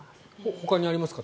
ほかにありますか？